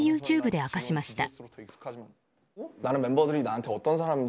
ＹｏｕＴｕｂｅで明かしました。